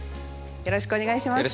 よろしくお願いします。